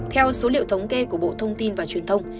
theo số liệu thống kê của bộ thông tin và truyền thông